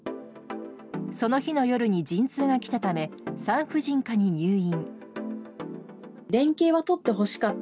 その日の夜に陣痛が来たため産婦人科に入院。